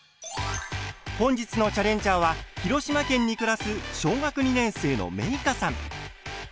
本日のチャレンジャーは広島県に暮らす小学２年生のめいかさん。